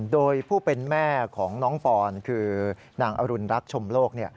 โดยผู้เป็นแม่ของน้องปอนคือนางอรุณรักชมโลก